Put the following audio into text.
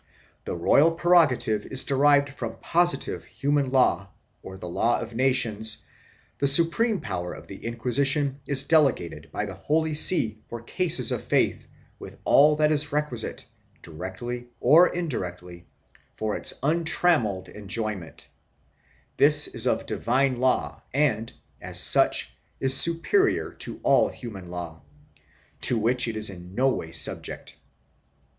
The royal prerogative is derived from posi tive human law or the law of nations; the supreme power of the Inquisition is delegated by the Holy See for cases of faith with all that is requisite, directly or indirectly, for its untrammelled enjoyment; this is of divine law and, as such, is superior to all human law, to which it is in no way subject.